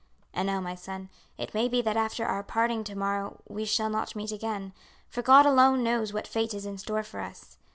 "And now, my son, it may be that after our parting to morrow we shall not meet again, for God alone knows what fate is in store for us.